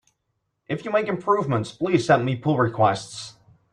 If you make improvements, please send me pull requests!